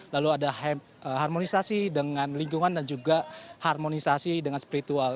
lalu ada harmonisasi dengan lingkungan dan juga harmonisasi dengan spiritual